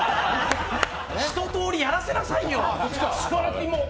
一とおりやらせなさいよ！